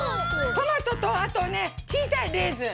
トマトとあとねちいさいレーズン。